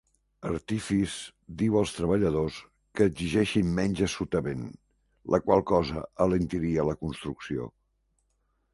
Artifis diu als treballadors que exigeixin menys assotament, la qual cosa alentiria la construcció.